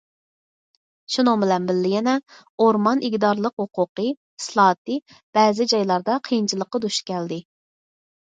شۇنىڭ بىلەن بىللە يەنە، ئورمان ئىگىدارلىق ھوقۇقى ئىسلاھاتى بەزى جايلاردا قىيىنچىلىققا دۇچ كەلدى.